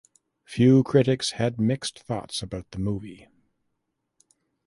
Few critics had mixed thoughts about the movie.